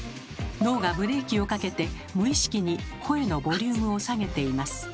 脳がブレーキをかけて無意識に声のボリュームを下げています。